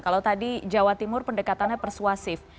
kalau tadi jawa timur pendekatannya persuasif